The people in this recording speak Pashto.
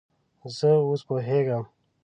زه اوس پوهیږم